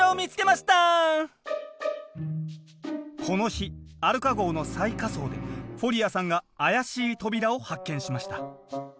この日アルカ号の最下層でフォリアさんがあやしい扉を発見しました。